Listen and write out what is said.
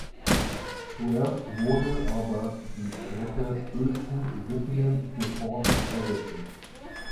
Zuerst wurde aber die Strecke Uelzen–Wittingen–Gifhorn errichtet.